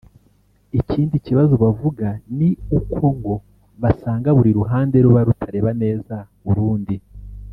Ikindi kibazo bavuga ni uko ngo basanga buri ruhande ruba rutareba neza urundi